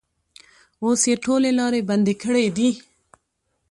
اوس یې ټولې لارې بندې کړې دي.